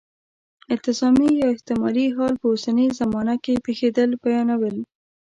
التزامي یا احتمالي حال په اوسنۍ زمانه کې پېښېدل بیانوي.